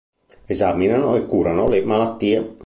Esaminano e curano le malattie.